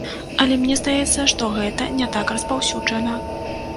Але мне здаецца, што гэта не так распаўсюджана.